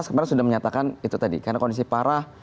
sebenarnya sudah menyatakan itu tadi karena kondisi parah